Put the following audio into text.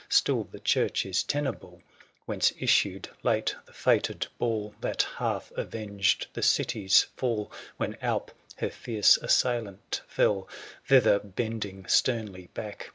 ^^ Still the church is tenable, 865 Whence issued late the fated ball That half avenged the city's fall. When Alp, her fierce assailant, fell : Thither bending sternly back.